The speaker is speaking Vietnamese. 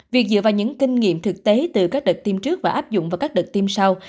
việc dựa vào những kinh nghiệm thực tế từ các đợt tiêm trước và áp dụng vào các đợt tiêm sau